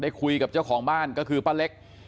คุยกับเจ้าของบ้านก็คือป้าเล็ก